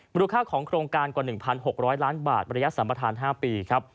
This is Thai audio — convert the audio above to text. มูลค่าของโครงการกว่า๑๖๐๐ล้านบาทระยะสัมประธาน๕ปีครับ